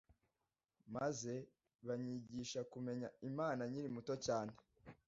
maze banyigisha kumenya Imana nkiri muto cyane,